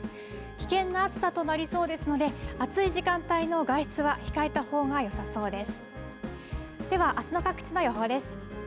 危険な暑さとなりそうですので、暑い時間帯の外出は控えたほうがよさそうです。